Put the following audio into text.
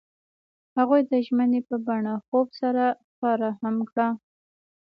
هغوی د ژمنې په بڼه خوب سره ښکاره هم کړه.